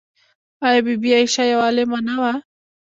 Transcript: آیا بی بي عایشه یوه عالمه نه وه؟